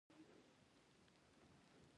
کله چې افغانستان کې ولسواکي وي حق حقدار ته رسیږي.